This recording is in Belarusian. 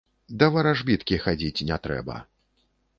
Да варажбіткі хадзіць не трэба.